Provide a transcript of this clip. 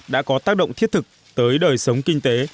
đã có tác động thiết thực tới đời sống kinh tế